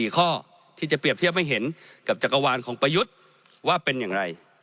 ๔ข้อที่จะเปรียบเทียบให้เห็นกับจักรวาลของประยุทธ์ว่าเป็นอย่างไร